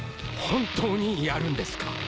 本当にやるんですか？